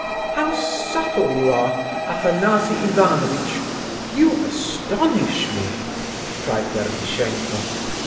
"How subtle you are, Afanasy Ivanovitch! You astonish me," cried Ferdishenko.